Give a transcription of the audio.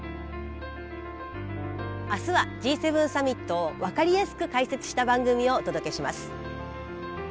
明日はＧ７サミットを分かりやすく解説した番組をお届けします。